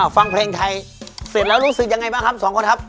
ฟังเพลงไทยเสร็จแล้วรู้สึกยังไงบ้างครับสองคนครับ